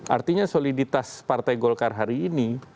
artinya soliditas partai golkar hari ini